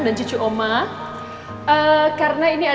gini kelompok sekiman